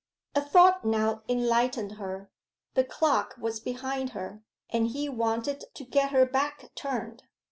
A thought now enlightened her: the clock was behind her, and he wanted to get her back turned.